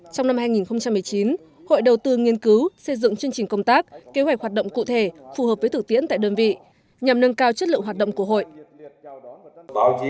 trong năm hai nghìn một mươi chín hội đầu tư nghiên cứu xây dựng chương trình công tác kế hoạch hoạt động cụ thể phù hợp với thực tiễn tại đơn vị nhằm nâng cao chất lượng hoạt động của hội